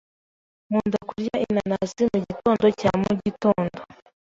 Nkunda kurya inanasi mugitondo cya mugitondo.